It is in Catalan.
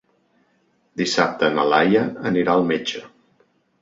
Dissabte na Laia anirà al metge.